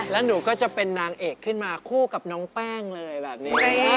แล้วหนูก็จะเป็นนางเอกขึ้นมาคู่กับน้องแป้งเลยแบบนี้